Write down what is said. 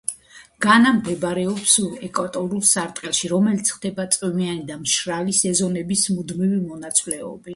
განა მდებარეობს სუბეკვატორულ სარტყელში, რომელშიც ხდება წვიმიანი და მშრალი სეზონების მუდმივი მონაცვლეობა.